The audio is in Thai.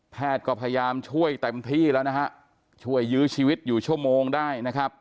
แพทย์ก็พยายามช่วยเต็มที่แล้วนะฮะช่วยยื้อชีวิตอยู่ชั่วโมงได้นะครับ